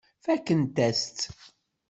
Fakkent-as-tt.